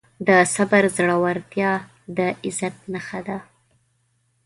د صبر زړورتیا د عزت نښه ده.